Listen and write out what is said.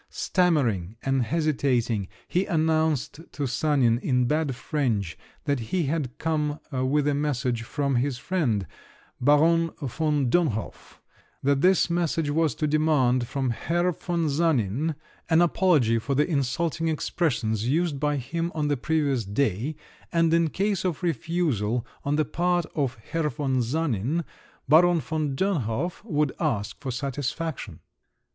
Stammering and hesitating, he announced to Sanin in bad French that he had come with a message from his friend, Baron von Dönhof; that this message was to demand from Herr von Sanin an apology for the insulting expressions used by him on the previous day; and in case of refusal on the part of Herr von Sanin, Baron von Dönhof would ask for satisfaction.